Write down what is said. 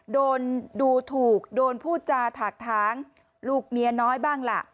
โดนดูถูกโดนพูดจาถากทางลูกเมียน้อยบ้างล่ะ